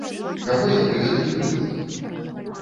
Каго я прывяду ў прыклад?